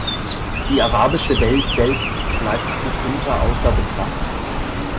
Die arabische Welt selbst bleibt mitunter außer Betracht.